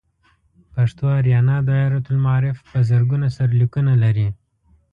پښتو آریانا دایرة المعارف په زرګونه سرلیکونه لري.